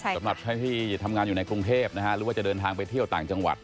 สำหรับใครที่ทำงานอยู่ในกรุงเทพนะฮะหรือว่าจะเดินทางไปเที่ยวต่างจังหวัด